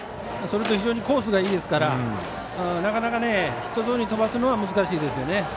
それと非常にコースがいいですからなかなかヒットゾーンに飛ばすのは、難しいですね。